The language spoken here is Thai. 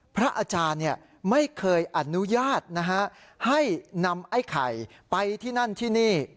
พระอาจารย์ไม่เคยอนุญาตนะฮะให้นำไอ้ไข่ไปที่นั่นที่นี่